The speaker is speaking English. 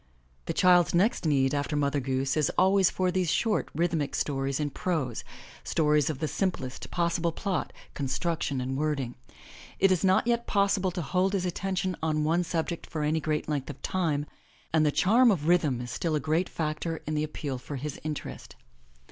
The child's next need after Mother Goose is always for these short rhythmic stories in prose, stories of the simplest possible plot, construction and word ing. It is not yet possible to hold his attention on one subject for any great length of time, and the charm of rhythm is still a great factor in the appeal for his interest.